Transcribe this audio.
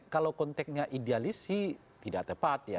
kalau konteknya idealis sih tidak tepat ya